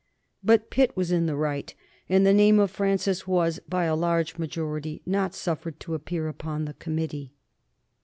But Pitt was in the right, and the name of Francis was, by a large majority, not suffered to appear upon the committee.